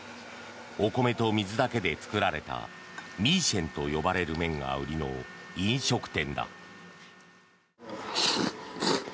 お米と水だけで作られたミーシェンと呼ばれる麺が売りの飲食店だ。